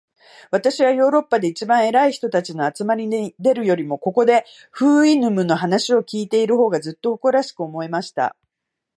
私はヨーロッパで一番偉い人たちの集まりに出るよりも、ここで、フウイヌムの話を開いている方が、ずっと誇らしく思えました。